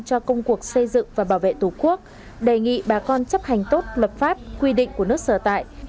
cho công cuộc xây dựng và bảo vệ tổ quốc đề nghị bà con chấp hành tốt lập pháp quy định của nước sở tại